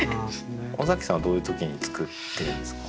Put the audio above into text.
尾崎さんはどういう時に作ってるんですか？